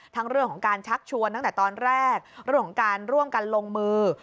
เรื่องของการชักชวนตั้งแต่ตอนแรกเรื่องของการร่วมกันลงมือ